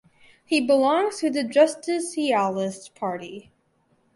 He belongs to the Justicialist Party.